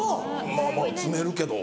まぁまぁ詰めるけど。